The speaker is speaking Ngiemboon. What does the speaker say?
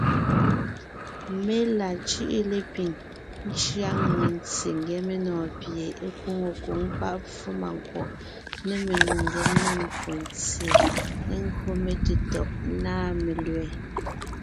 Mé la cʉ́ʼʉ lepiŋ , ńcʉa ngʉŋe ntse ńgyɛ́ menɔ̀ɔn pie é nkwóŋo nkwǒŋ páʼ pfómànkwɔ̀ʼ, ne nnu ngém, ne mbwóntse gÿo metetɔ̀ʼ nâ melẅɛ̀.